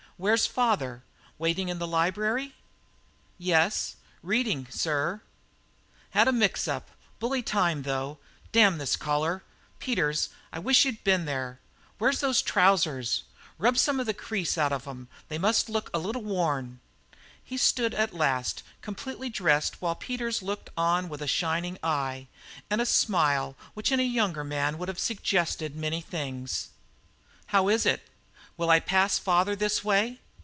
"Where's father? Waiting in the library?" "Yes. Reading, sir." "Had a mix up bully time, though damn this collar! Peters, I wish you'd been there where's those trousers? Rub some of the crease out of 'em they must look a little worn." He stood at last completely dressed while Peters looked on with a shining eye and a smile which in a younger man would have suggested many things. "How is it? Will I pass father this way?"